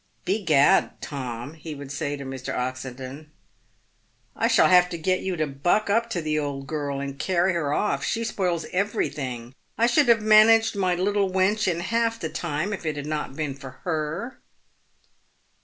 " Begad, Tom," he would say to Mr. Oxendon, " I shall have to get you to buck up to the old girl, and carry her off. She spoils everything. I should have managed my little wench in half the time if it had not been for her."